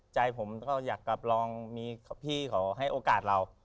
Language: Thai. ใจผมก็อยากกลับลองมีพี่เขาให้โอกาสเรา